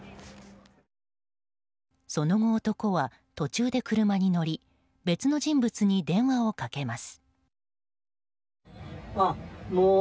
その後、男は途中で車に乗り別の人物に電話をかけます。